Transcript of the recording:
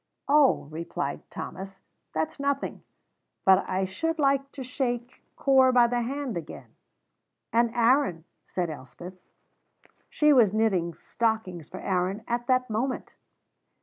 "Oh," replied Thomas, "that's nothing. But I should like to shake Corp by the hand again." "And Aaron," said Elspeth. She was knitting stockings for Aaron at that moment.